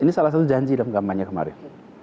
ini salah satu janji dalam kampanye kemarin